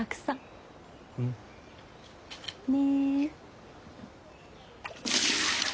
うん。ね。